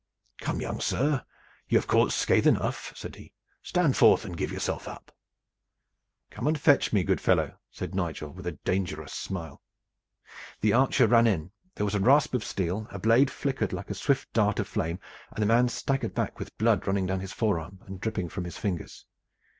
"Come, young sir, you have caused scathe enough," said he. "Stand forth and give yourself up!" "Come and fetch me, good fellow," said Nigel, with a dangerous smile. The archer ran in. There was a rasp of steel, a blade flickered like a swift dart of flame, and the man staggered back, with blood running down his forearm and dripping from his fingers.